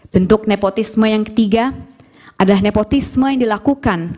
bentuk nepotisme yang ketiga adalah nepotisme yang dilakukan